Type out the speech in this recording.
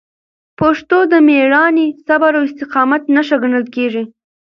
پښتو د میړانې، صبر او استقامت نښه ګڼل کېږي.